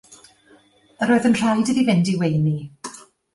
Yr oedd yn rhaid iddi fynd i weini.